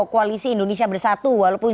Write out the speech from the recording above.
koalisi indonesia bersatu walaupun